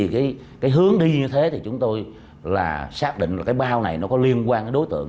và chính vì cái hướng đi như thế thì chúng tôi là xác định là cái bao này nó có liên quan đến đối tượng